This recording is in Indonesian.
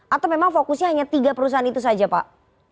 atau memang fokusnya hanya tiga perusahaan itu saja pak